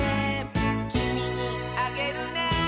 「きみにあげるね」